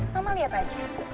mama lihat saja